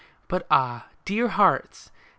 But, ah, dear hearts !